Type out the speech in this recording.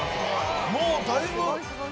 もうだいぶ。